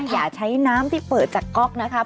อย่าใช้น้ำที่เปิดจากก๊อกนะครับ